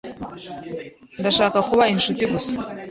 Ndashaka kuba inshuti gusa.